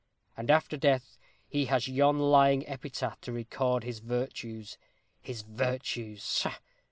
And after death he has yon lying epitaph to record his virtues. His virtues!